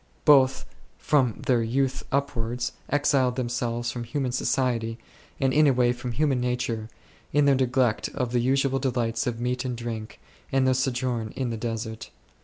Both, from their youth ur> wards, exiled themselves from human society, and in a way from human nature, in their neglect of the usual kinds of meat and drink, and their sojourn in the desert.